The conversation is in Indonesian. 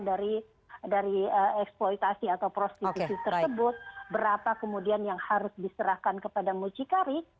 jadi dari eksploitasi atau prostitusi tersebut berapa kemudian yang harus diserahkan kepada mucikari